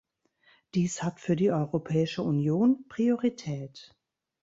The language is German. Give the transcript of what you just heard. Dies hat für die Europäische Union Priorität.